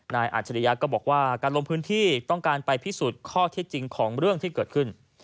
อาจริยะก็บอกว่าการลงพื้นที่ต้องการไปพิสูจน์ข้อเท็จจริงของเรื่องที่เกิดขึ้น